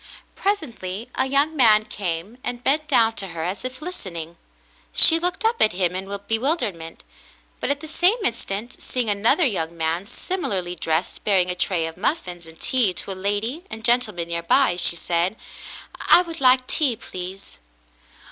Presently a young man came and bent down to her as if listening. She looked up 274 The Mountain Girl at him in bewilderment, but at the same instant, seeing another young man similarly dressed bearing a tray of muffins and tea to a lady and gentleman near by, she said :— *'I would like tea, please."